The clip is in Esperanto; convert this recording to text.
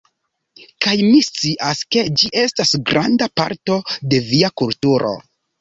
Kaj mi scias, ke ĝi estas granda parto de via kulturo